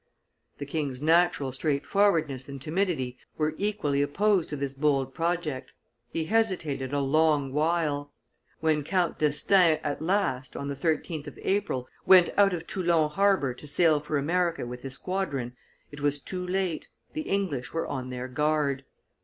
The king's natural straightforwardness and timidity were equally opposed to this bold project; he hesitated a long while; when Count d'Estaing at last, on the 13th of April, went out of Toulon harbor to sail for America with his squadron, it was too late, the English were on their guard.